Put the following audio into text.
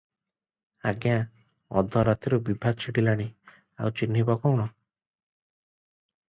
"ଆଜ୍ଞା! ଅଧ ରାତିରୁ ବିଭା ଛିଡ଼ିଲାଣି, ଆଉ ଚିହ୍ନ କଣ ଥିବ?